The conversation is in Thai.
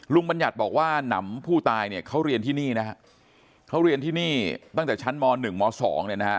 บัญญัติบอกว่าหนำผู้ตายเนี่ยเขาเรียนที่นี่นะฮะเขาเรียนที่นี่ตั้งแต่ชั้นม๑ม๒เนี่ยนะฮะ